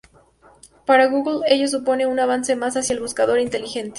Para Google ello supone un avance más hacia el buscador inteligente.